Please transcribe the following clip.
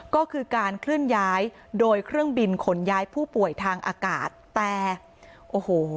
ก็คือการเคลื่อนย้ายโดยเครื่องบินขนย้ายผู้ป่วยทางอากาศแต่โอ้โห